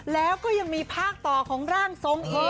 แล้วก็ยังมีภาคต่อของร่างทรงอีก